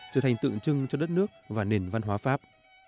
trở thành tượng trưng cho đất nước và nền văn hóa pháp